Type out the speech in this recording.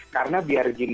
karena biar gimana